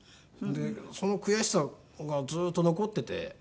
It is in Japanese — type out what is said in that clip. その悔しさがずっと残ってて。